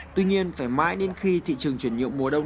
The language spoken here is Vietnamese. tuy nhiên phải mãi đến khi thị trường chuyển nhượng mùa đông